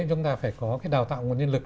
chúng ta phải có đào tạo nguồn nhân lực